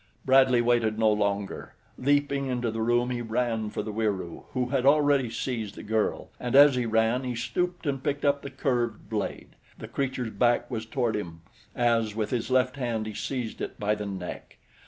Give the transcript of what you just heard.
Bradley waited no longer. Leaping into the room he ran for the Wieroo, who had already seized the girl, and as he ran, he stooped and picked up the curved blade. The creature's back was toward him as, with his left hand, he seized it by the neck.